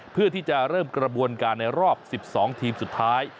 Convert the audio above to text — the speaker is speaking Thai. เพื่อที่จะเริ่มกระบวนการในรอบ๑๒ทีมสุดท้าย